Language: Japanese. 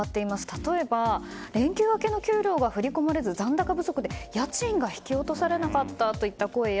例えば、連休明けの給料が振り込まれず残高不足で家賃が引き落とされなかったといった声。